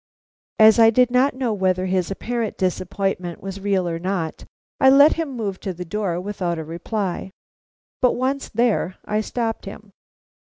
As I did not know whether his apparent disappointment was real or not, I let him move to the door without a reply. But once there I stopped him.